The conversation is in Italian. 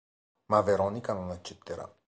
Ma Veronica non accetterà.